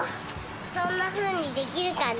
そんなふうにできるかな？